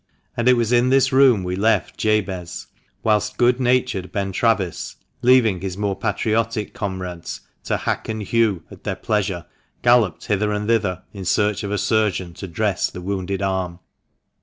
And it was in this room we left Jabez, whilst good natured Ben Travis, leaving his more patriotic comrades to "hack and hew" at their pleasure, galloped hither and thither in search of a surgeon to dress the wounded arm.